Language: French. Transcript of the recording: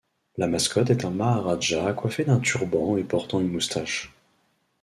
La mascotte est un maharaja coiffé d'un turban et portant une moustache.